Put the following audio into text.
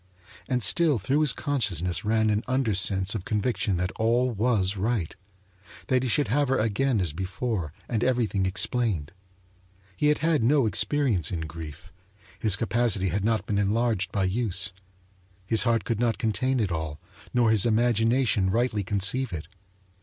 And still through his consciousness ran an undersense of conviction that all was right that he should have her again as before, and everything explained. He had had no experience in grief; his capacity had not been enlarged by use. His heart could not contain it all, nor his imagination rightly conceive it.